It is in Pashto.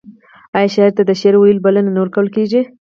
آیا شاعر ته د شعر ویلو بلنه نه ورکول کیږي؟